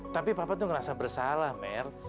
tapi papa tuh ngerasa bersalah mer